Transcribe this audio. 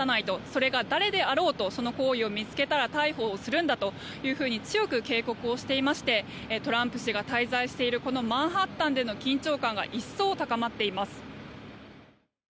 それが誰であろうとその行為を見つけたら逮捕をするんだというふうに強く警告をしていましてトランプ氏が滞在しているこのマンハッタンでの緊張感が一層高まっています。